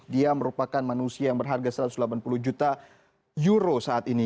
dia merupakan manusia yang berharga satu ratus delapan puluh juta euro saat ini